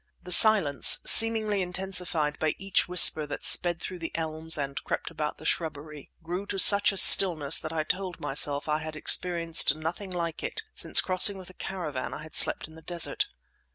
The silence, seemingly intensified by each whisper that sped through the elms and crept about the shrubbery, grew to such a stillness that I told myself I had experienced nothing like it since crossing with a caravan I had slept in the desert.